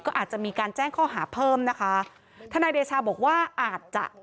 ก็อาจจะมีการแจ้งข้อหาเพิ่มนะคะทนายเดชาบอกว่าอาจจะ